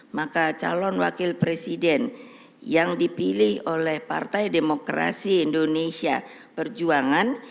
maka calon wakil presiden yang dipilih oleh partai demokrasi indonesia perjuangan